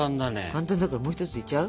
簡単だからもう一ついっちゃう？